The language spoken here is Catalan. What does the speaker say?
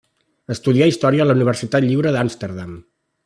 Estudià història a la Universitat Lliure d'Amsterdam.